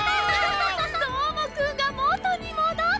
どーもくんがもとにもどった！